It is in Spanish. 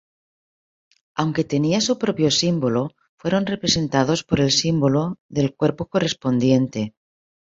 Aunque tenían su propio símbolo, fueron representados por el símbolo del cuerpo correspondiente.